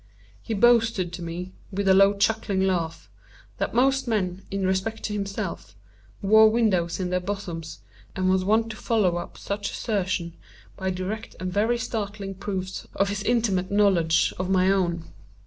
He boasted to me, with a low chuckling laugh, that most men, in respect to himself, wore windows in their bosoms, and was wont to follow up such assertions by direct and very startling proofs of his intimate knowledge of my own.